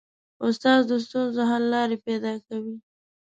استاد د ستونزو حل لارې پیدا کوي.